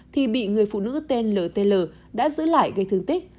thì bị người phụ nữ tên ltl đã giữ lại gây thương tích